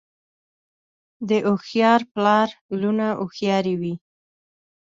د هوښیار پلار لوڼه هوښیارې وي.